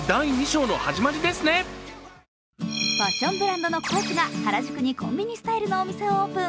ファッションブランドのＣＯＡＣＨが原宿にコンビニスタイルの店をオープン。